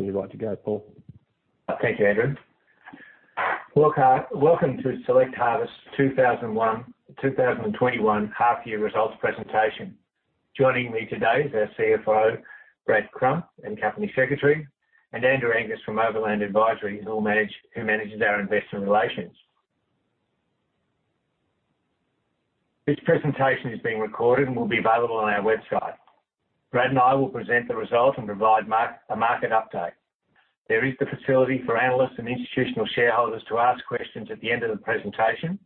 Looking at you to go, Paul. Thank you, Andrew. Welcome to Select Harvests' 2021 half-year results presentation. Joining me today is our CFO, Brad Crump, and Company Secretary, and Andrew Angus from Overland Advisers, who manages our investor relations. This presentation is being recorded and will be available on our website. Brad and I will present the results and provide a market update. There is the facility for analysts and institutional shareholders to ask questions at the end of the presentation.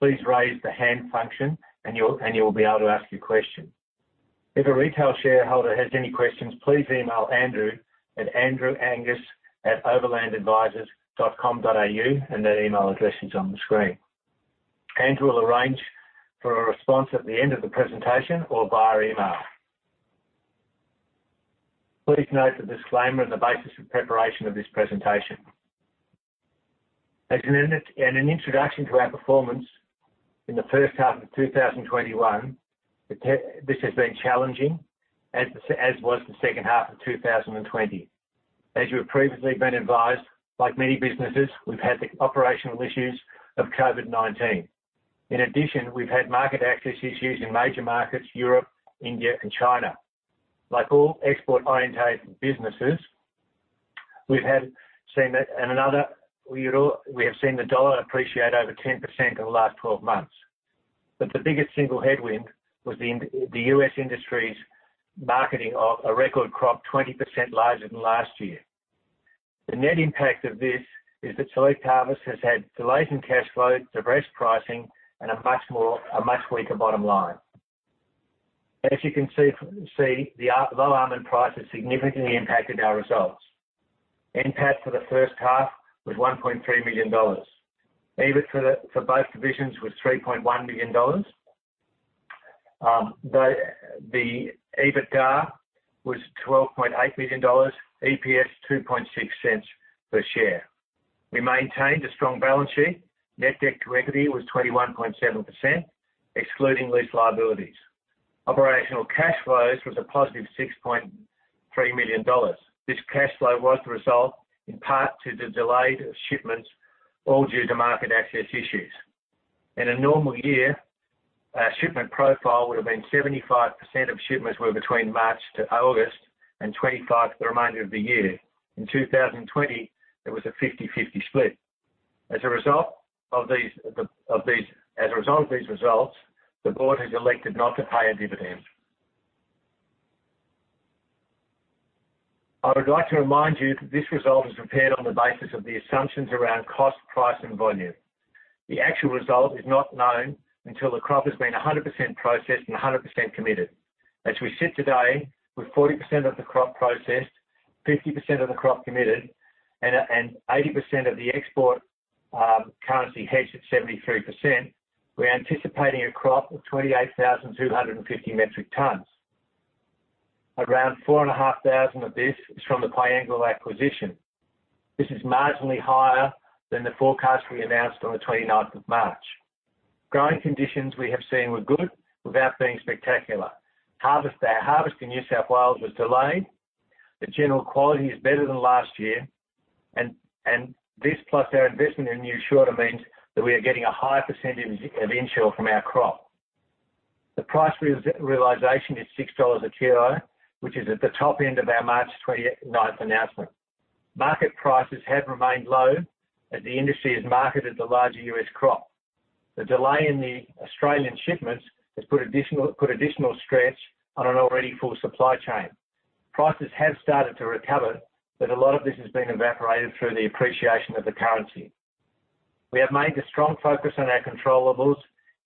Please raise the hand function and you'll be able to ask your question. If a retail shareholder has any questions, please email Andrew at andrewangus@overlandadvisers.com.au. That email address is on the screen. Andrew will arrange for a response at the end of the presentation or via email. Please note the disclaimer and the basis of preparation of this presentation. As an introduction to our performance in the first half of 2021, this has been challenging, as was the second half of 2020. As you have previously been advised, like many businesses, we've had the operational issues of COVID-19. We've had market access issues in major markets, Europe, India, and China. Like all export-orientated businesses, we have seen the dollar appreciate over 10% in the last 12 months. The biggest single headwind was the U.S. industry's marketing of a record crop 20% larger than last year. The net impact of this is that Select Harvests has had delayed cash flows, depressed pricing, and a much weaker bottom line. As you can see, the low almond price has significantly impacted our results. NPAT for the first half was 1.3 million dollars. EBIT for both divisions was 3.1 million dollars. The EBITDA was 12.8 million dollars, EPS 0.026 per share. We maintained a strong balance sheet. Net debt to equity was 21.7%, excluding lease liabilities. Operational cash flows was a positive 6.3 million dollars. This cash flow was a result in part to the delayed shipments, all due to market access issues. In a normal year, our shipment profile would have been 75% of shipments were between March to August and 25% the remainder of the year. In 2020, there was a 50/50 split. As a result of these results, the board has elected not to pay a dividend. I would like to remind you that this result is prepared on the basis of the assumptions around cost, price, and volume. The actual result is not known until the crop has been 100% processed and 100% committed. As we sit today with 40% of the crop processed, 50% of the crop committed, and 80% of the export currency hedged at 73%, we are anticipating a crop of 28,250 metric tonnes. Around 4,500 of this is from the Piangil acquisition. This is marginally higher than the forecast we announced on the 29th of March. Growing conditions we have seen were good without being spectacular. Harvest in New South Wales was delayed. The general quality is better than last year. This plus our investment in new sorter means that we are getting a higher percentage of in-shell from our crop. The price realization is 6 dollars a kilo, which is at the top end of our March 29th announcement. Market prices have remained low as the industry has marketed the larger U.S. crop. The delay in the Australian shipments has put additional stretch on an already full supply chain. Prices have started to recover, a lot of this has been evaporated through the appreciation of the currency. We have made a strong focus on our control levels,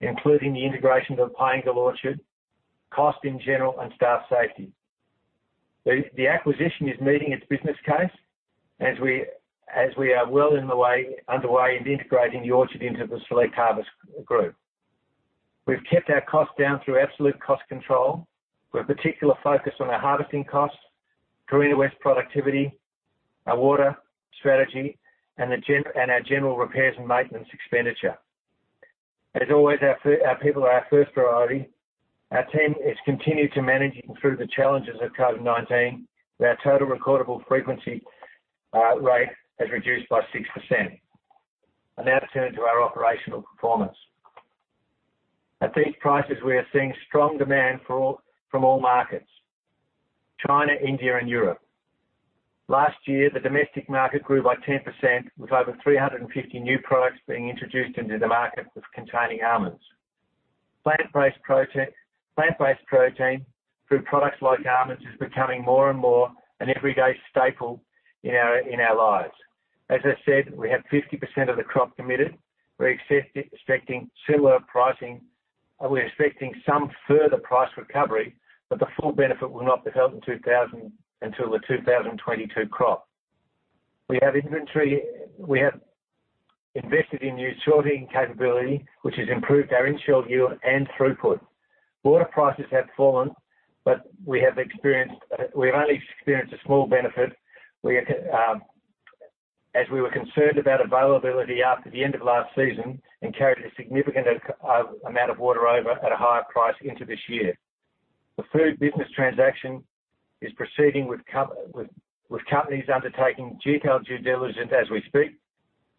including the integration of the Piangil orchard, cost in general, and staff safety. The acquisition is meeting its business case as we are well underway in integrating the orchard into the Select Harvests group. We've kept our costs down through absolute cost control with particular focus on our harvesting costs, tree-to-waste productivity, our water strategy, and our general repairs and maintenance expenditure. As always, our people are our first priority. Our team has continued to manage through the challenges of COVID-19. Our total recordable frequency rate has reduced by 6%. I now turn to our operational performance. At these prices, we are seeing strong demand from all markets, China, India, and Europe. Last year, the domestic market grew by 10% with over 350 new products being introduced into the market with containing almonds. Plant-based protein through products like almonds is becoming more and more an everyday staple in our lives. As I said, we have 50% of the crop committed. We're expecting similar pricing, and we're expecting some further price recovery, but the full benefit will not be felt until the 2022 crop. We have invested in new sorting capability, which has improved our in-shell yield and throughput. Water prices have fallen, but we have only experienced a small benefit as we were concerned about availability after the end of last season and carried a significant amount of water over at a higher price into this year. The food business transaction is proceeding with companies undertaking detailed due diligence as we speak.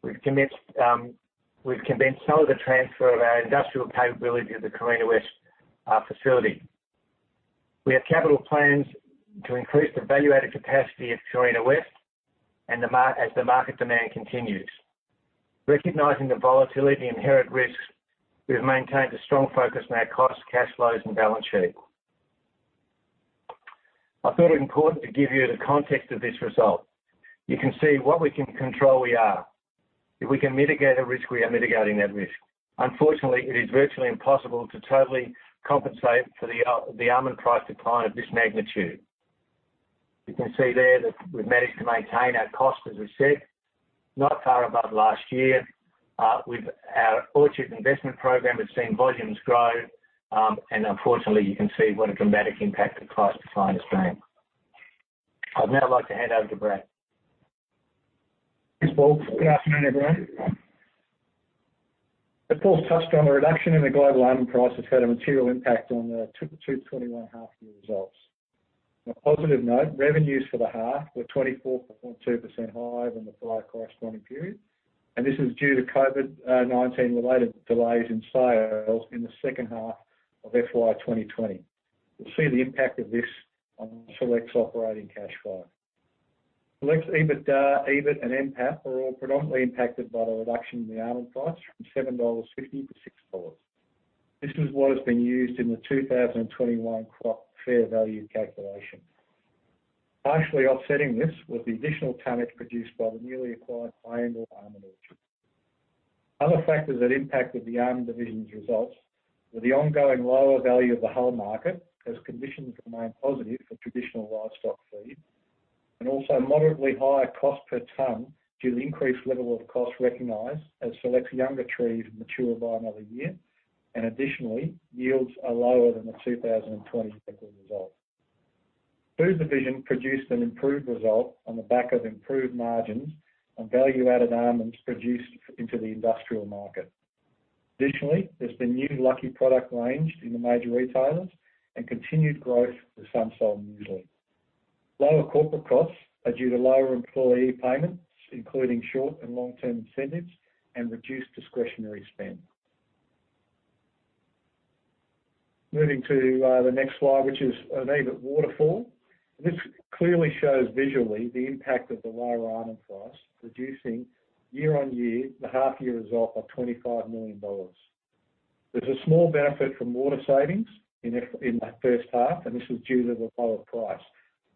We've commenced the transfer of our industrial capability to the Carina West facility. We have capital plans to increase the value-added capacity of Carina West as the market demand continues. Recognizing the volatility and inherent risks, we've maintained a strong focus on our cost, cash flows, and balance sheet. I feel it important to give you the context of this result. You can see what we can control we are. If we can mitigate a risk, we are mitigating that risk. Unfortunately, it is virtually impossible to totally compensate for the almond price decline of this magnitude. You can see there that we've managed to maintain our cost, as we said, not far above last year. With our orchard investment program, we've seen volumes grow. Unfortunately, you can see what a dramatic impact the price decline has bring. I'd now like to hand over to Brad. Thanks, Paul. Good afternoon, everyone. As Paul touched on, the reduction in the global almond price has had a material impact on the 2021 half-year results. On a positive note, revenues for the half were 24.2% higher than the prior corresponding period. This is due to COVID-19-related delays in sales in the second half of FY 2020. We'll see the impact of this on Select's operating cash flow. Select's EBIT and NPAT are all predominantly impacted by the reduction in the almond price from 7.50 dollars to 6 dollars. This is what has been used in the 2021 crop fair value calculation. Partially offsetting this was the additional tonnage produced by the newly acquired Piangil almond orchards. Other factors that impacted the almond division's results were the ongoing lower value of the hull market, as conditions remain positive for traditional livestock feed. Also, moderately higher cost per ton due to the increased level of cost recognized as Select's younger trees mature by another year. Additionally, yields are lower than the 2020 record result. Food division produced an improved result on the back of improved margins on value-added almonds produced into the industrial market. Additionally, there's the new Lucky product range in the major retailers and continued growth for Sunsol muesli. Lower corporate costs are due to lower employee payments, including short and long-term incentives and reduced discretionary spend. Moving to the next slide, which is an EBIT waterfall. This clearly shows visually the impact of the lower almond price, reducing year-over-year the half-year result by 25 million dollars. There's a small benefit from water savings in that first half, and this was due to the lower price.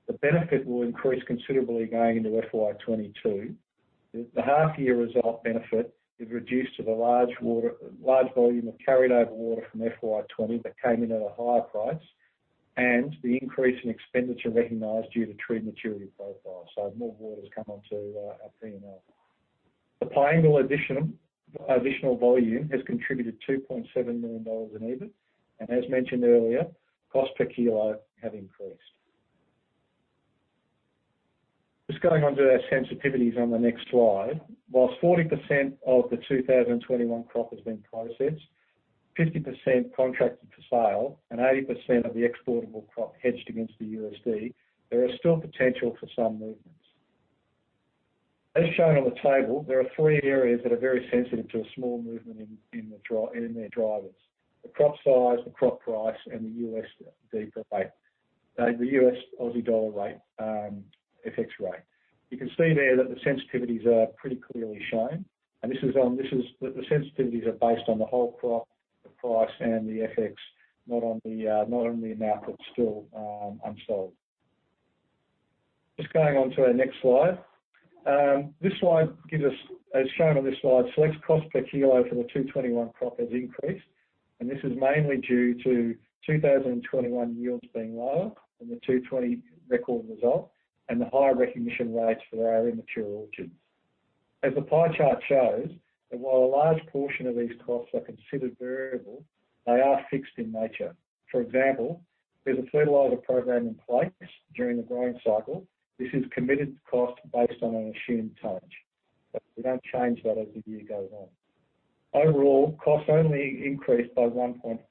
The benefit will increase considerably going into FY 2022. The half-year result benefit is reduced to the large volume of carried over water from FY 2020 that came in at a higher price and the increase in expenditure recognized due to tree maturity profile. More water has come on to our panel. The Piangil additional volume has contributed 2.7 million dollars in EBIT, and as mentioned earlier, cost per kilo have increased. Going on to our sensitivities on the next slide. While 40% of the 2021 crop has been processed, 50% contracted for sale, and 80% of the exportable crop hedged against the USD, there is still potential for some movements. As shown on the table, there are three areas that are very sensitive to a small movement in their drivers, the crop size, the crop price, and the USD rate, the U.S./Aussie dollar rate, FX rate. You can see there that the sensitivities are pretty clearly shown, and the sensitivities are based on the whole crop price and the FX, not on the amount that's still unsold. Just going on to our next slide. As shown on this slide, Select's cost per kilo for the 2021 crop has increased, and this is mainly due to 2021 yields being lower than the 2020 record result and the higher recognition rates for our immature orchards. As the pie chart shows, that while a large portion of these costs are considered variable, they are fixed in nature. For example, there's a fertilizer program in place during the growing cycle. This is committed cost based on an assumed tonnage. We don't change that as the year goes on. Overall, cash cost only increased by 1.4%.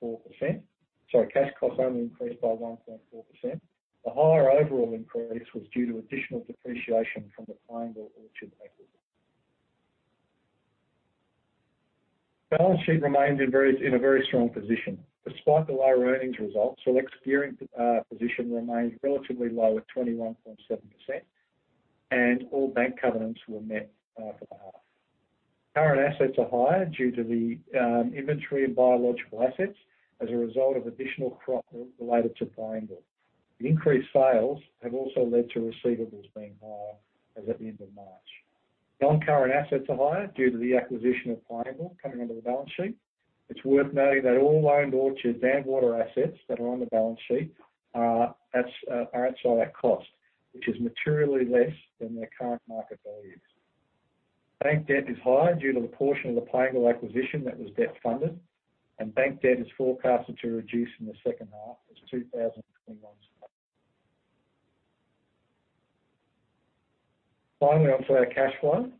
The higher overall increase was due to additional depreciation from the Piangil orchard acquisition. The balance sheet remains in a very strong position. Despite the lower earnings result, Select's gearing position remains relatively low at 21.7%, and all bank covenants were met for the half. Current assets are higher due to the inventory and biological assets as a result of additional crop related to Piangil. The increased sales have also led to receivables being higher as at the end of March. Non-current assets are higher due to the acquisition of Piangil coming on the balance sheet. It's worth noting that all owned orchards and water assets that are on the balance sheet are at sale at cost, which is materially less than their current market values. Bank debt is higher due to the portion of the Piangil acquisition that was debt-funded, and bank debt is forecasted to reduce in the second half of 2021. On to our cash flow.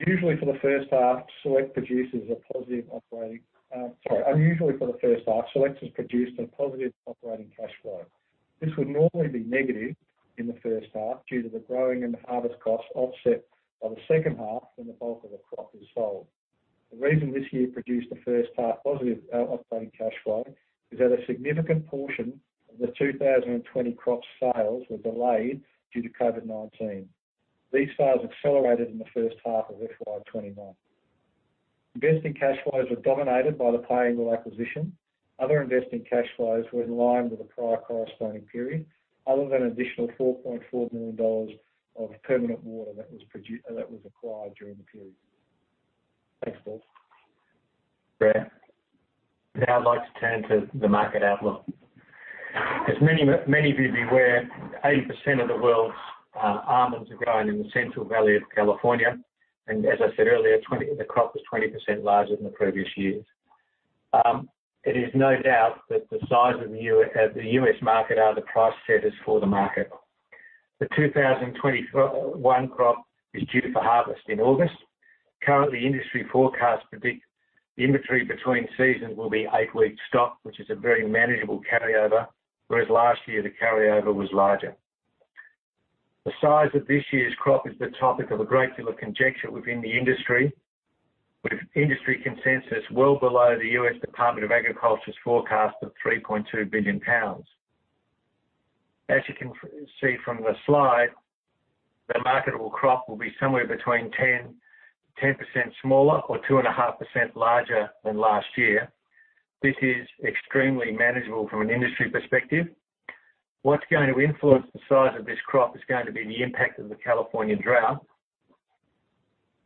Unusually for the first half, Select has produced a positive operating cash flow. This would normally be negative in the first half due to the growing and harvest costs offset by the second half when the bulk of the crop is sold. The reason this year produced the first half positive operating cash flow is that a significant portion of the 2020 crop sales were delayed due to COVID-19. These sales accelerated in the first half of FY 2021. Investing cash flows are dominated by the Piangil acquisition. Other investing cash flows were in line with the prior corresponding period, other than additional 4.4 million dollars of permanent water that was acquired during the period. Thanks, Brad. Now I'd like to turn to the market outlook. As many of you are aware, 80% of the world's almonds are grown in the Central Valley of California, as I said earlier, the crop was 20% larger than previous years. It is no doubt that the size of the U.S. market are the price setters for the market. The 2021 crop is due for harvest in August. Currently, industry forecasts predict the inventory between seasons will be eight weeks stock, which is a very manageable carryover, whereas last year the carryover was larger. The size of this year's crop is the topic of a great deal of conjecture within the industry, with industry consensus well below the U.S. Department of Agriculture's forecast of 3.2 billion pounds. As you can see from the slide, the marketable crop will be somewhere between 10% smaller or 2.5% larger than last year. This is extremely manageable from an industry perspective. What's going to influence the size of this crop is going to be the impact of the California drought.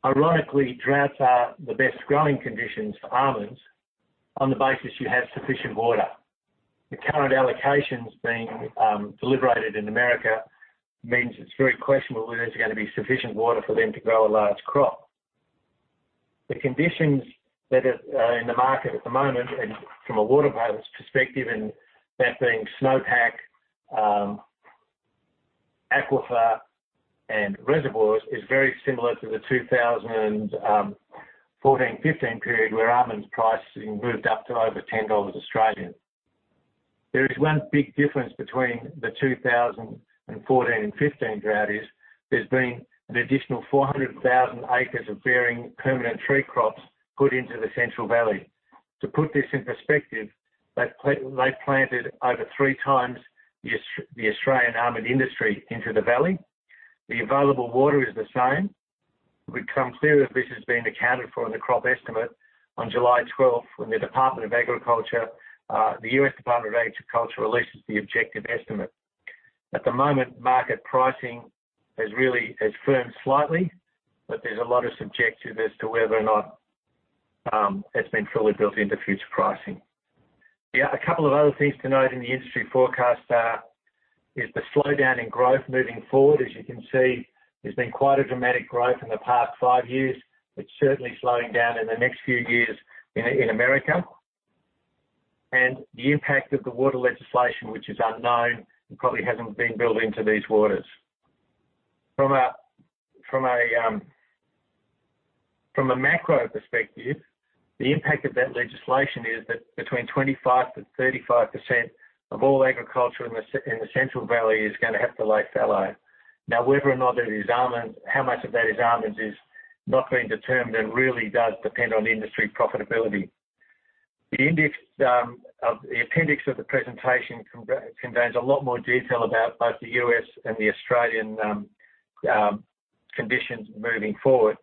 Ironically, droughts are the best growing conditions for almonds on the basis you have sufficient water. The current allocations being deliberated in America means it's very questionable whether there's going to be sufficient water for them to grow a large crop. The conditions that are in the market at the moment, from a water balance perspective, and that being snowpack, aquifer, and reservoirs, is very similar to the 2014/15 period where almonds pricing moved up to over 10 Australian dollars. There is one big difference between the 2014 and 2015 drought is there's been an additional 400,000 acres of bearing permanent tree crops put into the Central Valley. To put this in perspective, they've planted over three times the Australian almond industry into the valley. The available water is the same. It becomes clear that this has been accounted for in the crop estimate on July 12th when the U.S. Department of Agriculture releases the objective estimate. At the moment, market pricing has firmed slightly, there's a lot of subjective as to whether or not it's been fully built into future pricing. A couple of other things to note in the industry forecast are, is the slowdown in growth moving forward. As you can see, there's been quite a dramatic growth in the past five years. It's certainly slowing down in the next few years in America. The impact of the water legislation, which is unknown, and probably hasn't been built into these waters. From a macro perspective, the impact of that legislation is that between 25%-35% of all agriculture in the Central Valley is going to have to lay fallow. Whether or not, how much of that is almonds is not been determined and really does depend on industry profitability. The appendix of the presentation conveys a lot more detail about both the U.S. and the Australian conditions moving forward.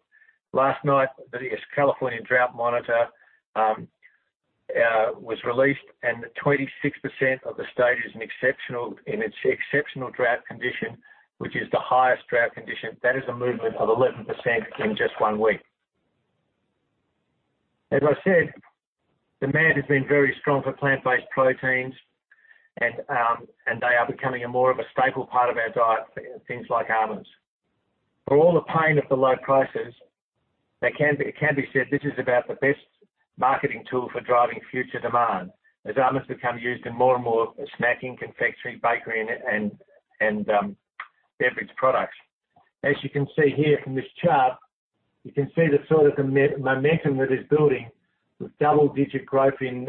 Last night, the U.S. California Drought Monitor was released. 26% of the state is in its exceptional drought condition, which is the highest drought condition. That is a movement of 11% in just one week. As I said, demand has been very strong for plant-based proteins, and they are becoming a more of a staple part of our diet, things like almonds. For all the pain of the low prices, it can be said this is about the best marketing tool for driving future demand, as almonds become used in more and more snacking, confectionery, bakery, and beverage products. As you can see here from this chart, you can see the sort of momentum that is building with double-digit growth in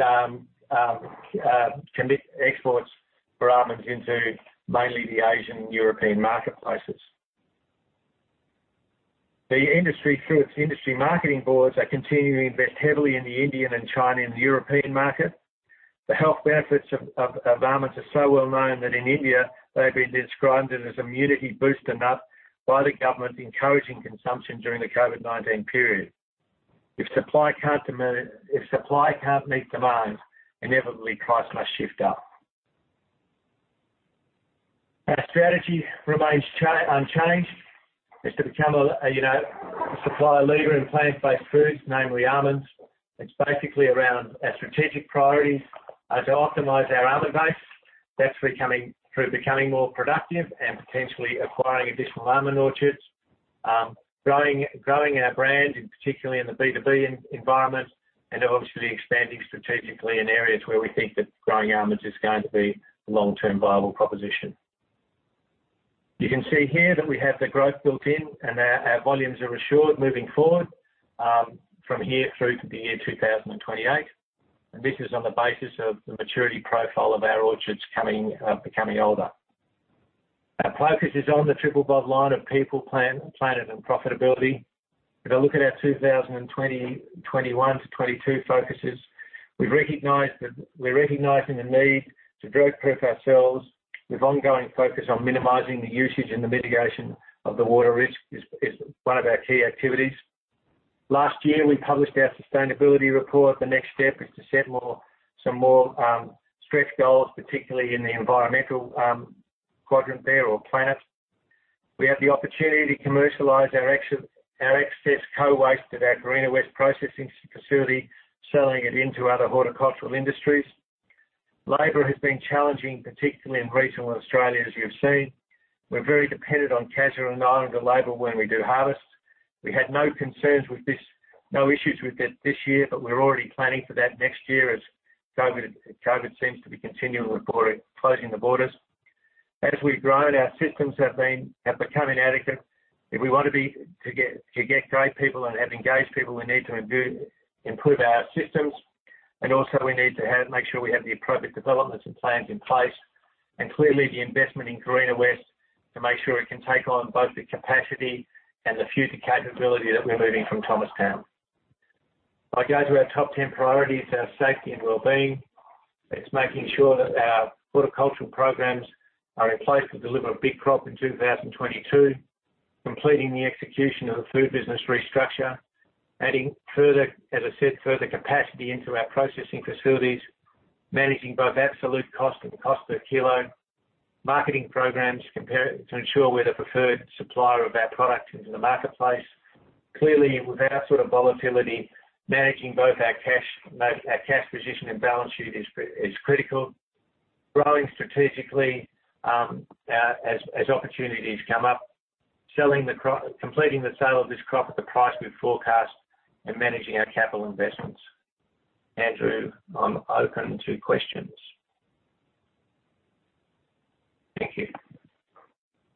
exports for almonds into mainly the Asian and European marketplaces. The industry marketing boards are continuing to invest heavily in the Indian and Chinese and European market. The health benefits of almonds are so well-known that in India, they've been described as an immunity booster nut by the government, encouraging consumption during the COVID-19 period. If supply can't meet demand, inevitably price must shift up. Our strategy remains unchanged. It's to become a supplier leader in plant-based foods, namely almonds. It's basically around our strategic priorities are to optimize our almond base. That's through becoming more productive and potentially acquiring additional almond orchards growing our brand, particularly in the B2B environment, and obviously expanding strategically in areas where we think that growing almonds is going to be a long-term viable proposition. You can see here that we have the growth built in, and our volumes are assured moving forward from here through to the year 2028, and this is on the basis of the maturity profile of our orchards becoming older. Our focus is on the triple bottom line of people, planet, and profitability. If you look at our 2021 to 2022 focuses, we're recognizing the need to de-risk ourselves with ongoing focus on minimizing the usage and the mitigation of the water risk is one of our key activities. Last year, we published our sustainability report. The next step is to set some more stretch goals, particularly in the environmental quadrant there or planet. We have the opportunity to commercialize our excess co-waste at our Carina West processing facility, selling it to other horticultural industries. Labor has been challenging, particularly in regional Australia, as you've seen. We're very dependent on casual and on-hire labour when we do harvest. We had no issues with this year, but we're already planning for that next year as COVID seems to be continuing with closing the borders. As we've grown, our systems have become inadequate. If we want to get great people and have engaged people, we need to improve our systems, and also we need to make sure we have the appropriate developments and plans in place, and clearly the investment in Carina West to make sure we can take on both the capacity and the future capability that we're moving from Thomastown. If I go to our top 10 priorities, our safety and well-being, it's making sure that our horticultural programs are in place to deliver a big crop in 2022, completing the execution of the food business restructure, adding a set further capacity into our processing facilities, managing both absolute cost and cost per kilo, marketing programs to ensure we're the preferred supplier of our product into the marketplace. Clearly, with our sort of volatility, managing both our cash position and balance sheet is critical. Growing strategically as opportunities come up, completing the sale of this crop at the price we forecast and managing our capital investments. Andrew, I'm open to questions. Thank you.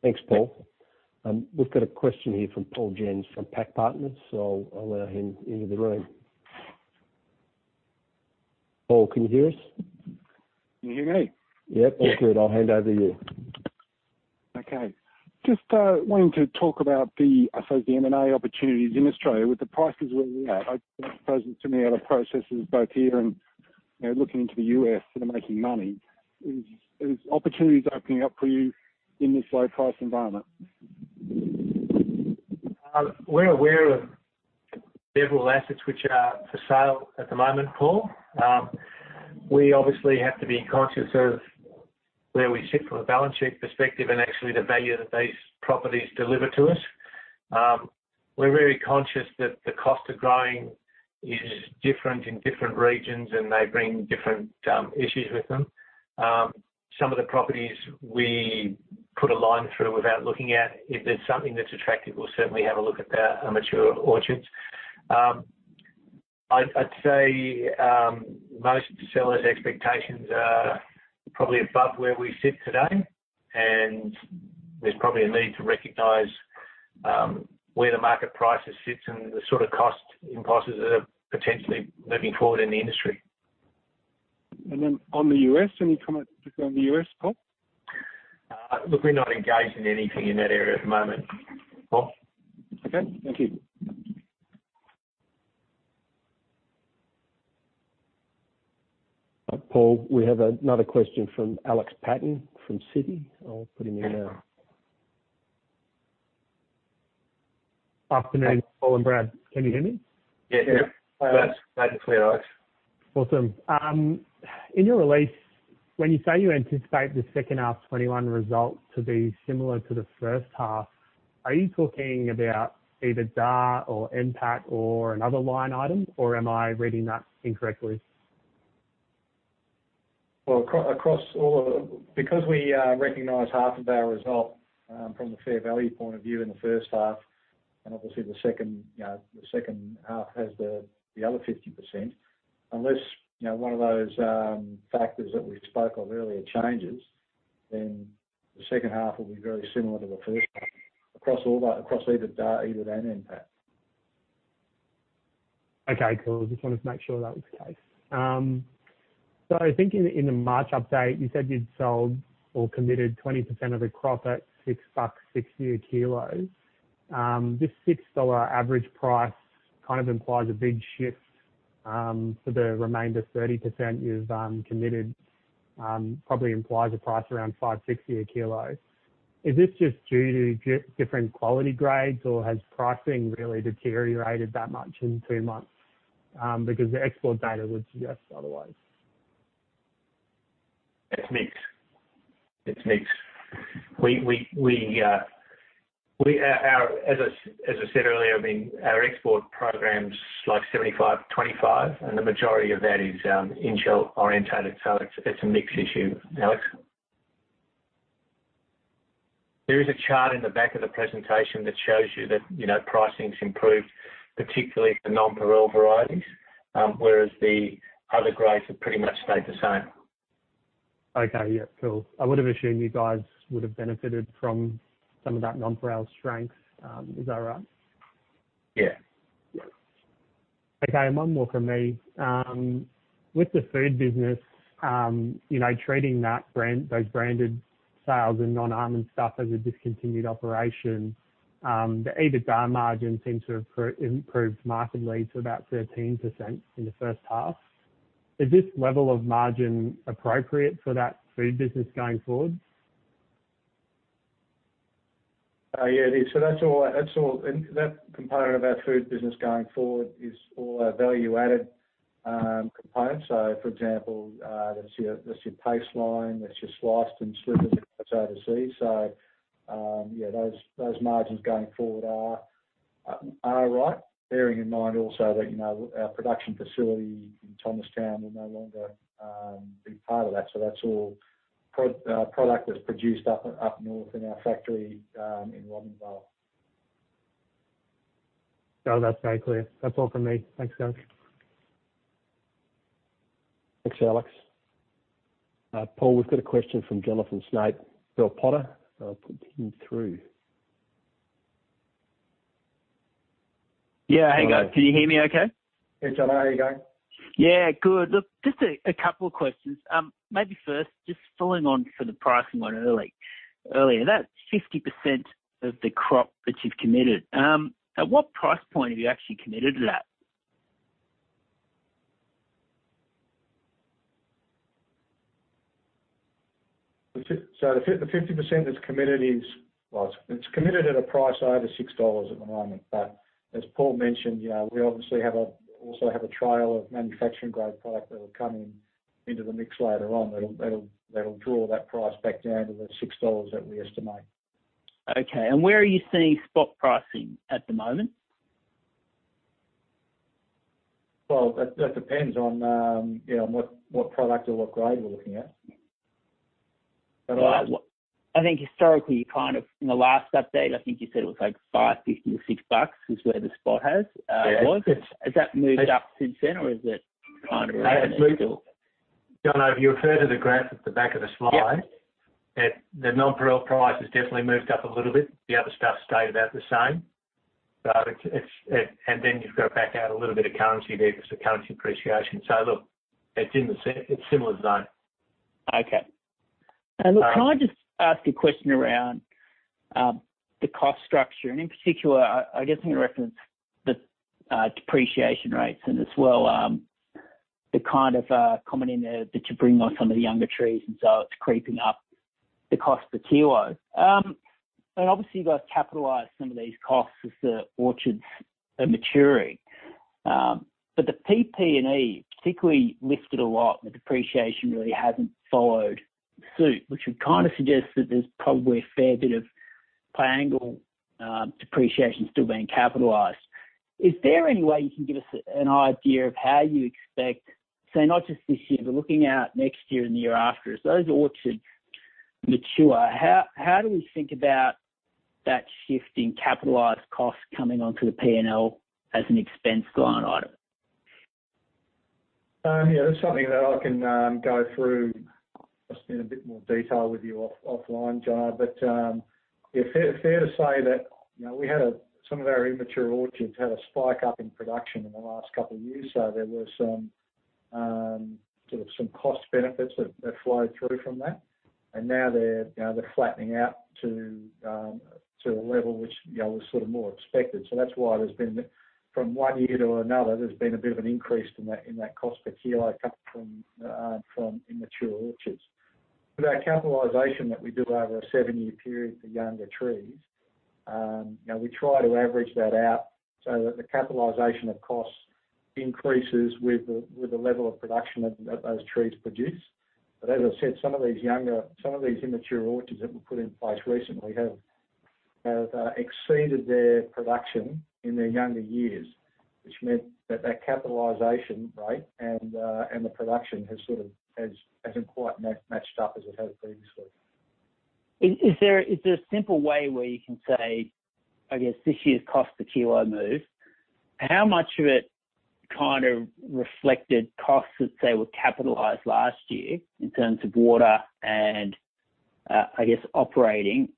Thanks, Paul. We've got a question here from Paul Jensz from PAC Partners, so I'll allow him into the room. Paul, can you hear us? Can you hear me? Yep. I'll hand over to you. Okay. Just wanting to talk about the, I suppose, the M&A opportunities in Australia with the prices where they are. I suppose to me, our processors both here and looking to the U.S. are making money. Is opportunities opening up for you in this low price environment? We're aware of several assets which are for sale at the moment, Paul. We obviously have to be conscious of where we sit from a balance sheet perspective and actually the value that these properties deliver to us. We're very conscious that the cost of growing is different in different regions, and they bring different issues with them. Some of the properties we put a line through without looking at. If there's something that's attractive, we'll certainly have a look at that, a mature orchards. I'd say, most sellers' expectations are probably above where we sit today, and there's probably a need to recognize where the market prices sit and the sort of cost impulses that are potentially moving forward in the industry. On the U.S., any comment on the U.S., Paul? Look, we're not engaged in anything in that area at the moment, Paul. Okay. Thank you. Paul, we have another question from Alex Patton from Citi. I'll put him in now. Afternoon, Paul and Brad. Can you hear me? Yeah. Loud and clear, Alex. Awesome. In your release, when you say you anticipate the second half FY 2021 result to be similar to the first half, are you talking about either EBIT or NPAT or another line item, or am I reading that incorrectly? Well, because we recognize half of our result, from the fair value point of view in the first half, and obviously the second half has the other 50%, unless one of those factors that we spoke of earlier changes, then the second half will be very similar to the first half, across either EBIT or NPAT. Okay, cool. Just wanted to make sure that was the case. I think in a March update, you said you'd sold or committed 20% of the crop at 6.60 bucks a kilo. This 6 dollar average price kind of implies a big shift for the remainder 30% you've committed, probably implies a price around 5.60 a kilo. Is this just due to different quality grades, or has pricing really deteriorated that much in two months? The export data would suggest otherwise. It's mixed. As I said earlier, I mean, our export program's like 75/25, and the majority of that is in-shell orientated, so it's a mixed issue, Alex. There is a chart in the back of the presentation that shows you that pricing's improved, particularly for Nonpareil varieties, whereas the other grades have pretty much stayed the same. Okay. Yeah, cool. I would have assumed you guys would have benefited from some of that Nonpareil strength. Is that right? Yeah. Okay. One more from me. With the food business, treating those branded sales and non-item stuff as a discontinued operation, the EBITDA margin seemed to have improved markedly to about 13% in the first half. Is this level of margin appropriate for that food business going forward? That component of our food business going forward is all our value-added component. For example, that's your pace line, that's your sliced and slivered products overseas. Those margins going forward are all right, bearing in mind also that our production facility in Thomastown will no longer be part of that. That's all product that's produced up north in our factory in Wodonga. No, that's very clear. That's all from me. Thanks, guys. Thanks, Alex. Paul, we've got a question from Jonathan Snape, Bell Potter. I'll put him through. Yeah, hang on. Can you hear me okay? Yeah, Jon. How are you going? Yeah, good. Look, just a couple of questions. Maybe first, just following on from the pricing one earlier. That 50% of the crop that you've committed, at what price point have you actually committed to that? The 50% that's committed, it's committed at a price over 6 dollars at the moment. As Paul mentioned, we obviously also have a trail of manufacturing-grade product that will come into the mix later on that'll draw that price back down to the 6 dollars that we estimate. Okay, where are you seeing spot pricing at the moment? Well, that depends on what product or what grade you're looking at. I think historically, in the last update, I think you said it was like 5.50-6 bucks is where the spot was. Yeah. Has that moved up since then, or is it kind of stayed still? Jon, have you referred to the graph at the back of the slide? Yeah. The Nonpareil price has definitely moved up a little bit. The other stuff's stayed about the same. You've got to back out a little bit of currency there because of currency appreciation. Look, it's in the similar zone. Okay. Look, can I just ask a question around the cost structure? In particular, I guess in reference to the depreciation rates and as well, the kind of comment in there that you bring on some of the younger trees, and so it's creeping up the cost per kilo. Obviously, you guys capitalize some of these costs as the orchards are maturing. The PP&E particularly lifted a lot, and the depreciation really hasn't followed suit, which would kind of suggest that there's probably a fair bit of Piangil depreciation still being capitalized. Is there any way you can give us an idea of how you expect, say, not just this year, but looking out next year and the year after, as those orchards mature, how do we think about that shift in capitalized costs coming onto the P&L as an expense going on? That's something that I can go through just in a bit more detail with you offline, Jon. Fair to say that some of our immature orchards had a spike up in production in the last couple of years, so there were some cost benefits that flowed through from that. Now they're flattening out to a level which was sort of more expected. That's why from one year to another, there's been a bit of an increase in that cost per kilo from immature orchards. With our capitalization that we did over a seven-year period for younger trees, we try to average that out so that the capitalization of costs increases with the level of production that those trees produce. That said, some of these immature orchards that were put in place recently have exceeded their production in their younger years, which meant that that capitalization rate and the production hasn't quite matched up as it has previously. Is there a simple way where you can say, I guess, this year's cost per kilo move, how much of it kind of reflected costs that, say, were capitalized last year in terms of water and, I guess, operating,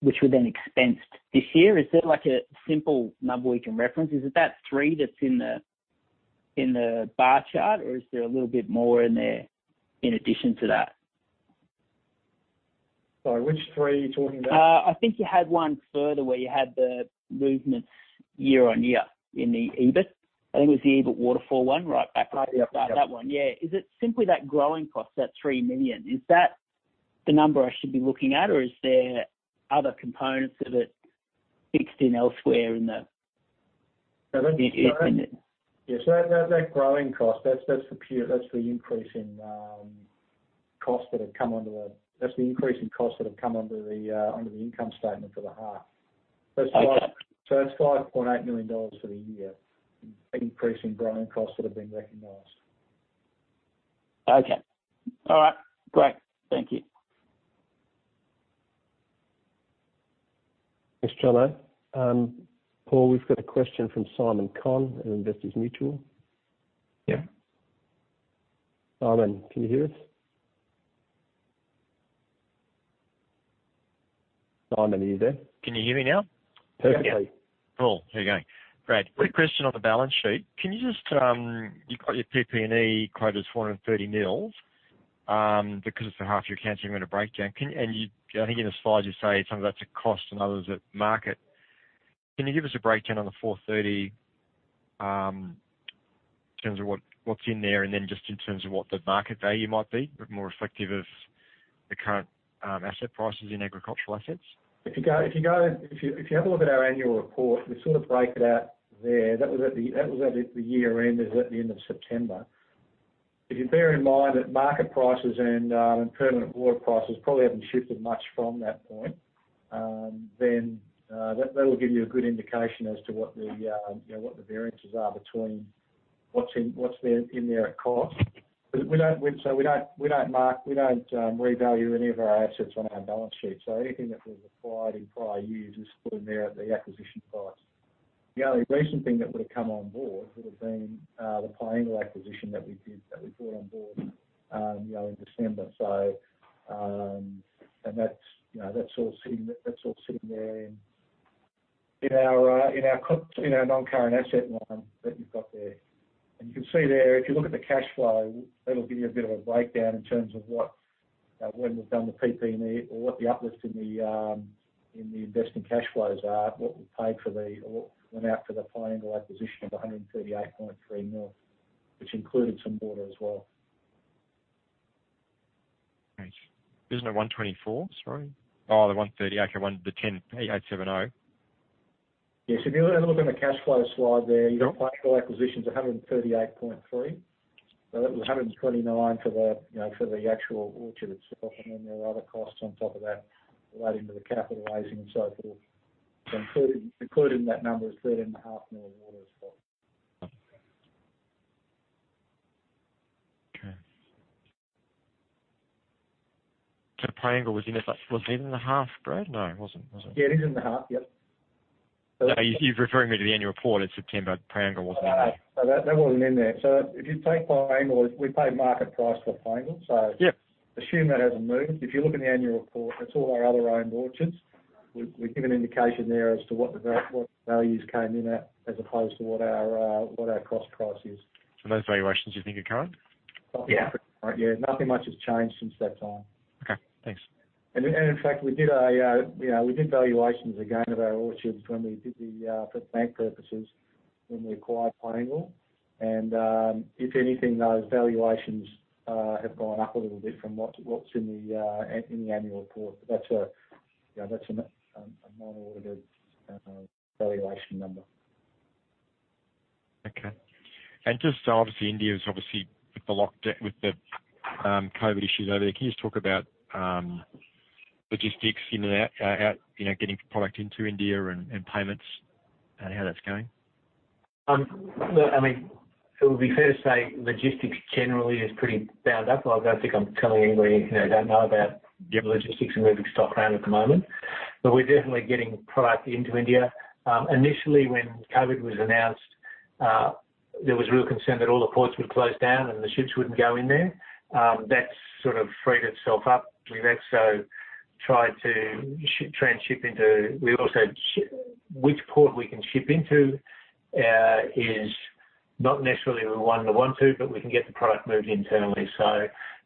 which were then expensed this year? Is there a simple number we can reference? Is that three that's in the bar chart, or is there a little bit more in there in addition to that? Sorry, which three are you talking about? I think you had one further where you had the movements year-on-year in the EBIT. I think it was the EBIT waterfall one right back there. Yep. That one, yeah. Is it simply that growing cost, that 3 million? Is that the number I should be looking at, or is there other components of it fixed in elsewhere in the EBIT? Yeah. That growing cost, that's the increase in costs that have come under the income statement for the half. Okay. That's 5.8 million dollars for the year. Any pricing growing costs that have been recognized? Okay. All right, great. Thank you. Yes, hello. Paul, we've got a question from Simon Conn at Investors Mutual. Simon, can you hear us? Simon, are you there? Can you hear me now? Perfect. Okay, cool. Here we go. Great. Quick question on the balance sheet. You've got your PP&E quoted as 130 million, because it's half year counting on a breakdown. I think in the slides you say some of that's at cost and others at market. Can you give us a breakdown of the 430, in terms of what's in there and then just in terms of what the market value might be, but more reflective of the current asset prices in agricultural assets? If you have a look at our annual report, we break it out there. That was at the year-end, is at the end of September. If you bear in mind that market prices and permanent water prices probably haven't shifted much from that point, then that'll give you a good indication as to what the variances are between what's in there at cost. We don't revalue any of our assets on our balance sheet. Anything that was acquired in prior years is put in there at the acquisition price. The only recent thing that would come on board would've been the Piangil acquisition that we did, that we brought on board in early December. That's all sitting there in our non-current asset line that you've got there. You can see there, if you look at the cash flow, that'll give you a bit of a breakdown in terms of when we've done the PP&E or what the uplift in the investment cash flows are, what went out for the Piangil acquisition of 138.3 million, which included some water as well. Isn't it 124 million? Sorry. The 138 million, I mean the 10870. Yes, if you have a look on the cash flow slide there, the acquisition's 138.3 million. It was 129 million for the actual orchard itself, and then there were other costs on top of that relating to the capital raising and so forth, including that number, 13.5 million water as well. Piangil was in the half, Brad? No, it wasn't, was it? Yeah, it is in the half. Yep. You're referring me to the annual report in September, Piangil was- That wasn't in there. If you take Piangil, we paid market price for Piangil. Yep. Assume that hasn't moved. If you look in the annual report, that's all our other own orchards. We give an indication there as to what the values came in at, as opposed to what our cost price is. Those valuations you think are current? Yeah. Nothing much has changed since that time. Okay, thanks. In fact, we did valuations again of our orchards for bank purposes when we acquired Piangil. If anything, those valuations have gone up a little bit from what's in the annual report. That's a minor valuation number. Okay. Just obviously, India's obviously with the COVID issues over there. Can you just talk about logistics getting product into India and payments and how that's going? Look, it would be fair to say logistics generally is pretty bound up. I don't think I'm telling you anything you don't know about logistics and moving stock around at the moment, but we're definitely getting product into India. Initially, when COVID was announced, there was real concern that all the ports would close down and the ships wouldn't go in there. That's freed itself up. We've also tried to change which port we can ship into is not necessarily the one we want to, but we can get the product moved internally.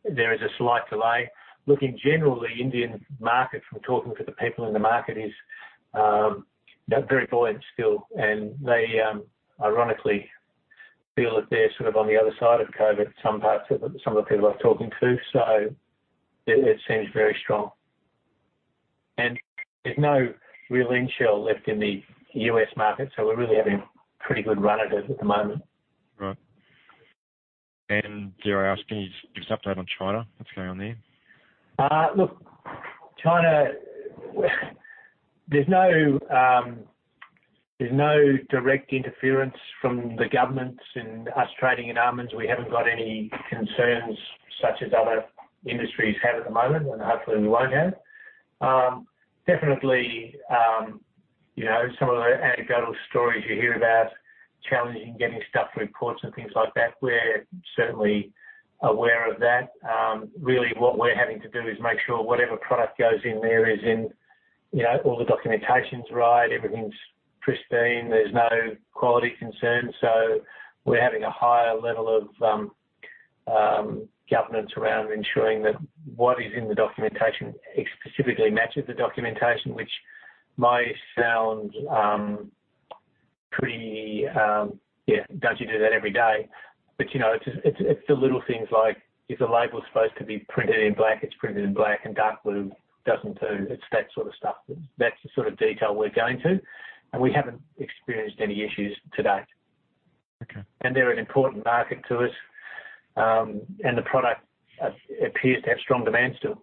There is a slight delay. Look, in general, the Indian market, from talking to the people in the market, is very buoyant still, and they ironically feel that they're on the other side of COVID, some of the people I'm talking to, so it seems very strong. There's no real in-shell left in the U.S. market, so we're really having pretty good run at it at the moment. Right. Dare I ask, can you give us an update on China, what's going on there? Look, China, there's no direct interference from the government and us trading in almonds. We haven't got any concerns such as other industries have at the moment, and hopefully won't have. Definitely, some of the anecdotal stories you hear about challenging getting stuff through ports and things like that, we're certainly aware of that. Really what we're having to do is make sure whatever product goes in there, all the documentation's right, everything's pristine, there's no quality concerns. We're having a higher level of governance around ensuring that what is in the documentation specifically matches the documentation, which may sound pretty, don't you do that every day? It's the little things like if the label's supposed to be printed in black, it's printed in black and dark blue doesn't do. It's that sort of stuff. That's the sort of detail we're going to, and we haven't experienced any issues to date. Okay. They're an important market to us, and the product appears to have strong demand still.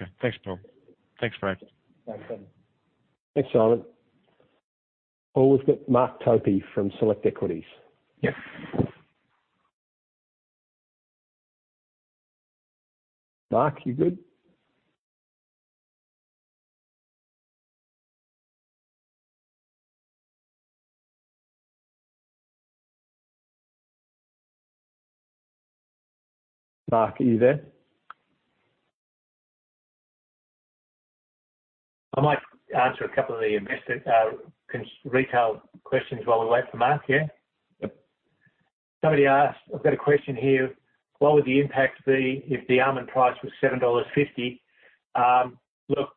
Okay, thanks, Paul. Thanks, Brad. No problem. Thanks, Simon. Paul, we've got Mark Topy from Select Equities. Mark, you good? Mark, are you there? I might answer a couple of the retail questions while we wait for Mark, yeah? Yep. Somebody asked, I've got a question here, what would the impact be if the almond price was 7.50 dollars? Look,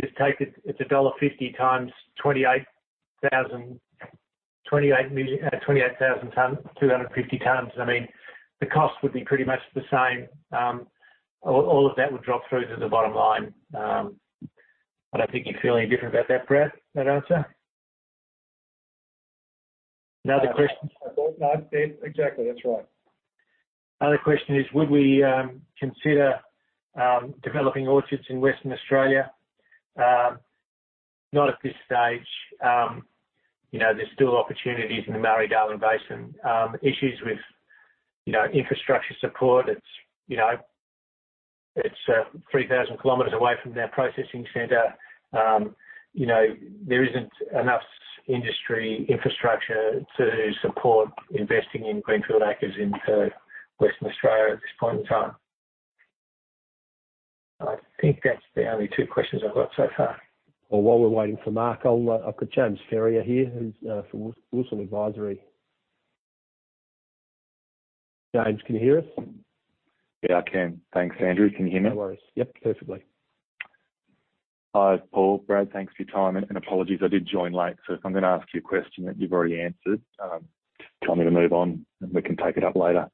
just take it, dollar 1.50 times 28,250 tonnes. The cost would be pretty much the same. All of that would drop through to the bottom line. I don't think you'd feel any different about that, Brad, that answer? No, exactly. That's right. Another question is, would we consider developing orchards in Western Australia? Not at this stage. There's still opportunities in the Murray-Darling Basin. Issues with infrastructure support. It's 3,000 km away from our processing center. There isn't enough industry infrastructure to support investing in greenfield acres into Western Australia at this point in time. I think that's the only two questions I've got so far. Well, while we're waiting for Mark, I've got James Ferrier here, who's from Wilsons Advisory. James, can you hear us? Yeah, I can. Thanks, Andrew. Can you hear me? No worries. Yep, perfectly. Hi, it's Paul. Brad, thanks for your time, and apologies, I did join late, so if I'm going to ask you a question that you've already answered, just tell me to move on, and we can take it up later.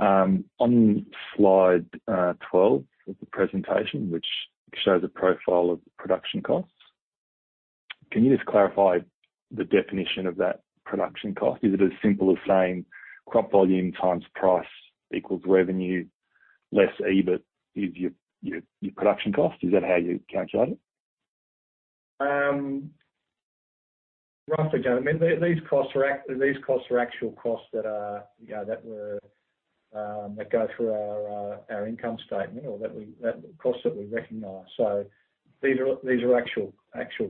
On slide 12 of the presentation, which shows a profile of the production costs, can you just clarify the definition of that production cost? Is it as simple as saying crop volume times price equals revenue less EBIT is your production cost? Is that how you calculate it? These costs are actual costs that go through our income statement or costs that we recognize. These are actual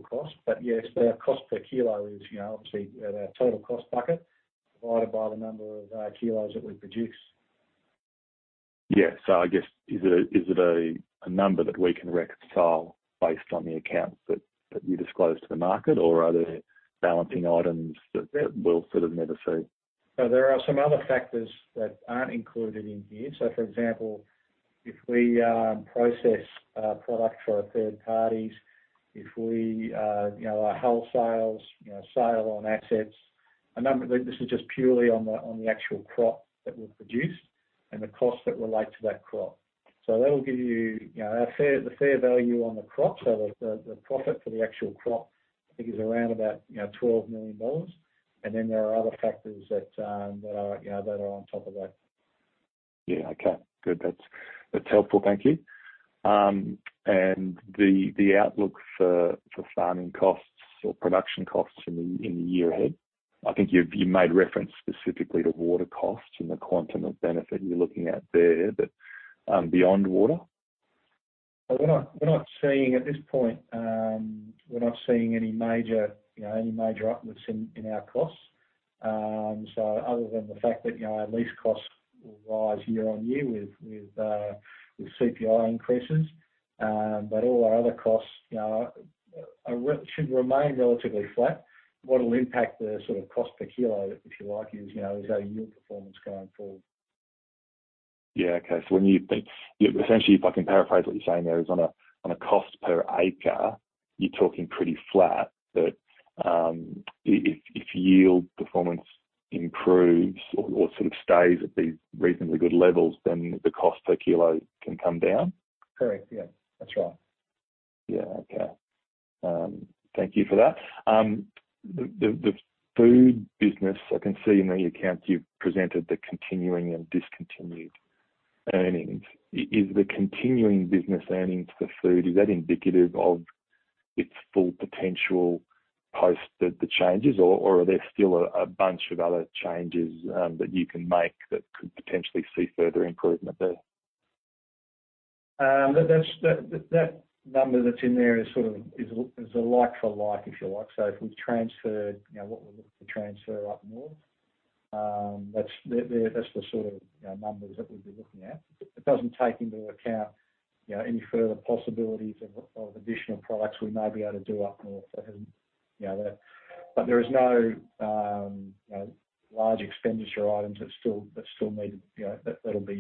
costs. Yes, our cost per kilo is obviously our total cost bucket divided by the number of kilos that we produce. Yeah. I guess, is it a number that we can reconcile based on the accounts that you disclose to the market, or are there balancing items that we'll never see? There are some other factors that aren't included in here. For example, if we process product for our third parties, if our wholesales, sale on assets. This is just purely on the actual crop that we produce and the costs that relate to that crop. That will give you the fair value on the crop. The profit for the actual crop, I think is around about 12 million dollars. Then there are other factors that are on top of that. Yeah, okay. Good. That's helpful. Thank you. The outlook for farming costs or production costs in the year ahead? I think you made reference specifically to water costs and the quantum of benefit you're looking at there, but beyond water? At this point, we're not seeing any major upticks in our costs. Other than the fact that our lease costs will rise year-on-year with CPI increases, but all our other costs should remain relatively flat. What will impact the cost per kilo, if you like, is our yield performance going forward. Yeah, okay. Essentially, if I can paraphrase what you're saying there is on a cost per acre, you're talking pretty flat, but if yield performance improves or stays at these reasonably good levels, then the cost per kilo can come down? Correct. Yeah. That's right. Yeah, okay. Thank you for that. The food business, I can see in the accounts you've presented the continuing and discontinued earnings. Is the continuing business earnings for food, is that indicative of its full potential post the changes, or are there still a bunch of other changes that you can make that could potentially see further improvement there? That number that's in there is a like for like, if you like. If we transfer what we look to transfer up north, that's the sort of numbers that we'd be looking at. It doesn't take into account any further possibilities of additional products we may be able to do up north. There is no large expenditure items that'll be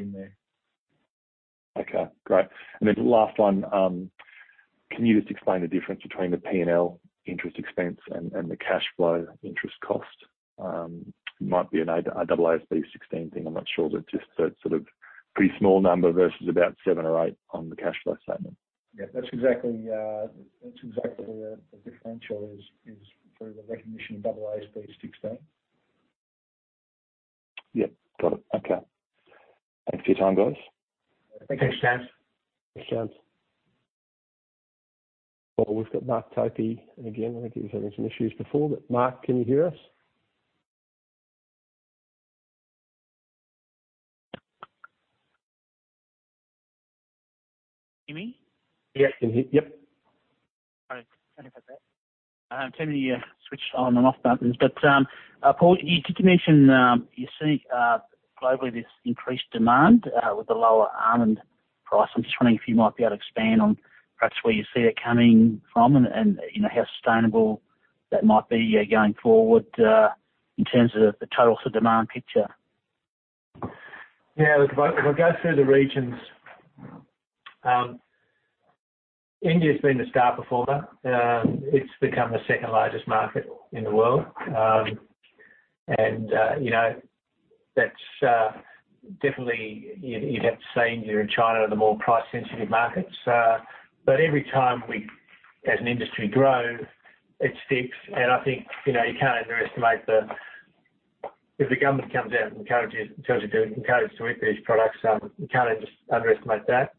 in there. Okay, great. Last one, can you just explain the difference between the P&L interest expense and the cash flow interest cost? Might be an AASB 16 thing, I'm not sure, but just that pretty small number versus about seven or eight on the cash flow statement. Yeah, that's exactly where the differential is for the recognition of AASB 16. Yep, got it. Okay. Thanks, guys. Thanks, James. Thanks, James. Oh, we've got Mark Topy. Again, I think he's had issues before, but Mark, can you hear us? Can you hear me? Yeah, can hear you. Yep. All right. Trying to find that. Trying the switch on and off button. Paul, you did mention you see globally this increased demand with the lower almond price. I'm just wondering if you might be able to expand on perhaps where you see it coming from and how sustainable that might be going forward, in terms of the total demand picture. Yeah. Look, if I go through the regions, India's been the star performer. It's become the second-largest market in the world. That's definitely, you'd have to say near China, the more price-sensitive markets. Every time we, as an industry, grow, it skips, and I think, you can't underestimate the If the government comes out and tells you to encourage to eat these products, you can't just underestimate that.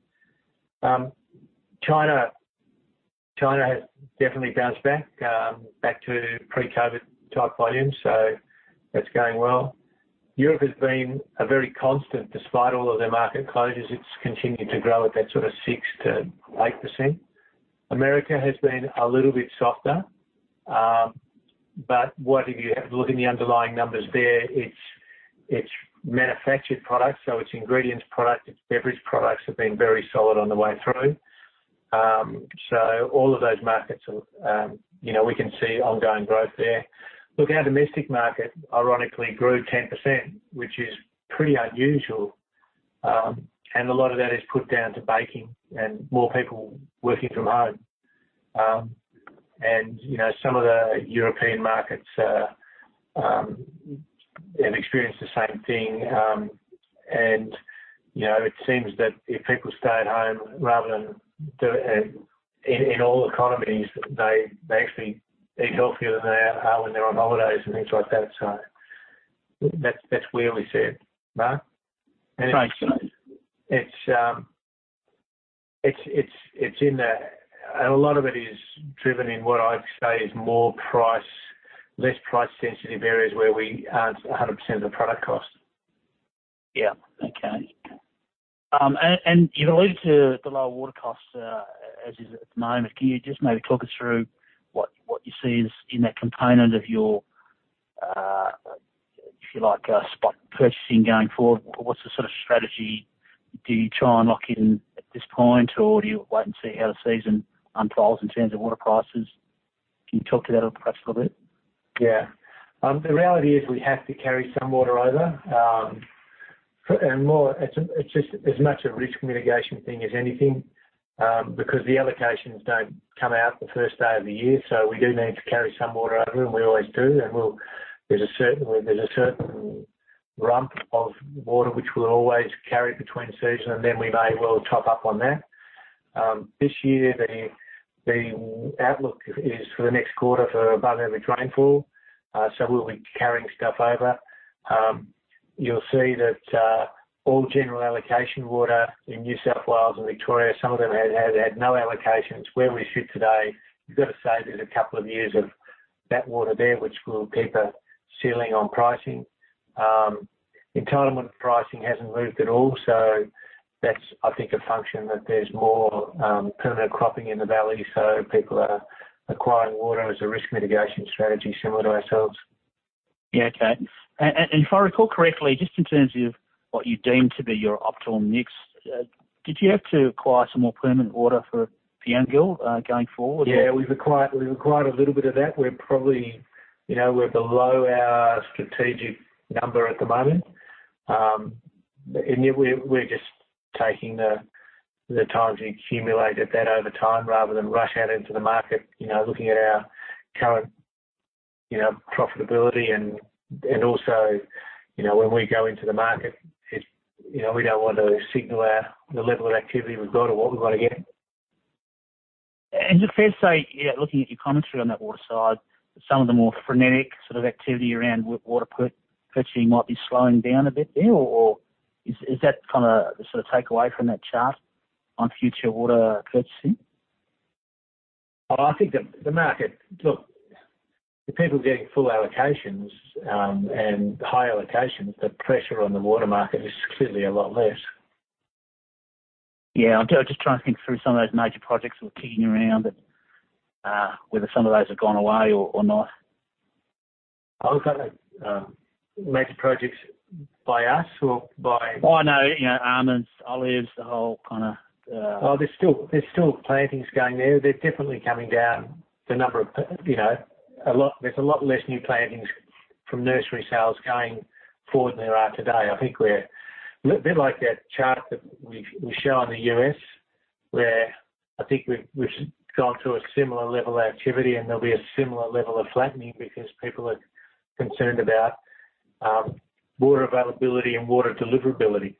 China has definitely bounced back to pre-COVID type volumes, so that's going well. Europe has been a very constant, despite all of their market closures, it's continued to grow at that sort of 6%-8%. America has been a little bit softer. What do you have? Looking at the underlying numbers there, it's manufactured products, so its ingredients product, its beverage products have been very solid on the way through. All of those markets, we can see ongoing growth there. Look, our domestic market ironically grew 10%, which is pretty unusual. A lot of that is put down to baking and more people working from home. Some of the European markets have experienced the same thing, and it seems that if people stay at home rather than do it, in all economies, they actually eat healthier than they are when they're on holidays and things like that. That's where we sit, Mark. Thanks. It's in a lot of it is driven in what I'd say is more price, less price sensitive areas where we add 100% of the product cost. Yeah. Okay. In relation to the lower water costs, as you know them, can you just maybe talk us through what you see is in that component of your, if you like, spot purchasing going forward? What's the sort of strategy? Do you try and lock in at this point, or do you wait and see how the season unfolds in terms of water prices? Can you talk to that perhaps a little bit? Yeah. The reality is we have to carry some water over. For more, it's just as much a risk mitigation thing as anything, because the allocations don't come out the first day of the year, so we do need to carry some water over, and we always do, and there's a certain rump of water which we'll always carry between season, and then we may well top up on that. This year, the outlook is for the next quarter for above-average rainfall, so we'll be carrying stuff over. You'll see that all general allocation water in New South Wales and Victoria, some of them have had no allocations. Where we sit today, you've got to say there's a couple of years of that water there, which will keep a ceiling on pricing. Entitlement pricing hasn't moved at all, so that's, I think, a function that there's more permanent cropping in the Valley, so people are acquiring water as a risk mitigation strategy similar to ourselves. Yeah, okay. If I recall correctly, just in terms of what you deem to be your optimal mix, did you have to acquire some more permanent water for the annual going forward? Yeah, we've acquired a little bit of that. We're below our strategic number at the moment. In the end, we're just taking the time to accumulate a bit over time rather than rush out into the market, looking at our current profitability, and also, when we go into the market, we don't want to signal the level of activity we've got or what we got to get. Just fair to say, looking at your commentary on that water side, some of the more frenetic sort of activity around water purchasing might be slowing down a bit there, or is that the takeaway from that chart on future water purchasing? I think the market, the people getting full allocations, and high allocations, the pressure on the water market is clearly a lot less. Yeah, I'm just trying to think through some of those major projects that were kicking around, but whether some of those have gone away or not. Major projects by us or- Well, no, almonds, olives. There's still plantings going there. They're definitely coming down. There's a lot less new plantings from nursery sales going forward than there are today. I think we're a bit like that chart that we show in the U.S., where I think we've gone to a similar level of activity, and there'll be a similar level of flattening because people are concerned about water availability and water deliverability.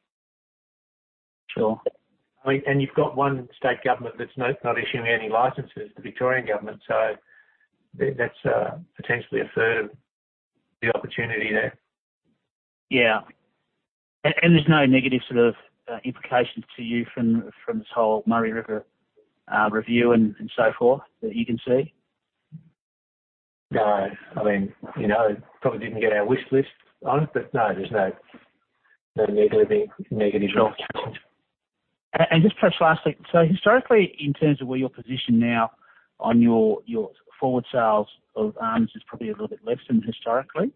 Sure. You've got one state government that's not issuing any licenses, the Victorian government, so that's potentially a third opportunity there. Yeah. There's no negative sort of implications to you from this whole Murray River review and so forth that you can see? No. It probably didn't get our wish list, but no, there's no negative outcome. Just perhaps lastly, historically, in terms of where you're positioned now on your forward sales of almonds is probably a little bit less than historically.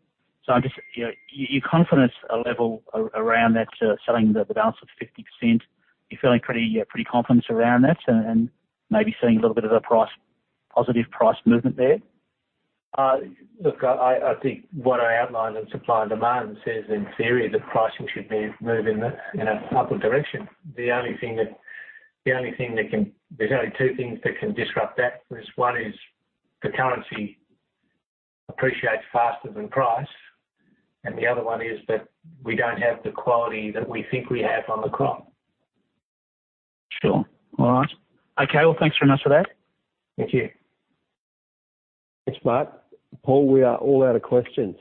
I'm just, you're confident a level around that, so selling the balance of 50%, you're feeling pretty confident around that and maybe seeing a little bit of a positive price movement there? Look, I think what I outlined in supply and demand says in theory, the pricing should be moving in an upward direction. There's only two things that can disrupt that, because one is the currency appreciates faster than price, and the other one is that we don't have the quality that we think we have on the crop. Sure. All right. Okay, well, thanks very much for that. Thank you. Thanks, Mark. Paul, we are all out of questions.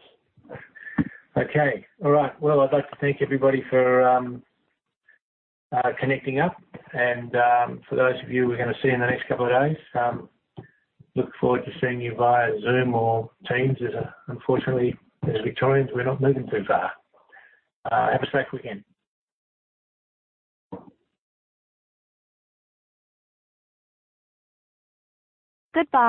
Okay. All right. I'd like to thank everybody for connecting up, and for those of you we're going to see in the next couple of days, look forward to seeing you via Zoom or Teams, as unfortunately, as Victorians, we're not moving too far. Have a great weekend. Goodbye